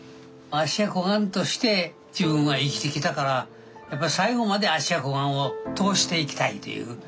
芦屋小雁として自分は生きてきたからやっぱり最後まで芦屋小雁を通していきたいという。